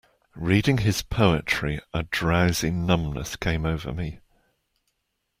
Reading his poetry, a drowsy numbness came over me.